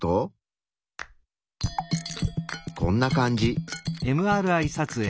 こんな感じ。